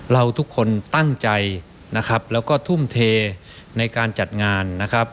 เราทุกคนตั้งใจนะครับแล้วก็ทุ่มเทในการจัดงานนะครับ